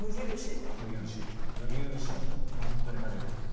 麦漆なんかもうほんとに初めてです。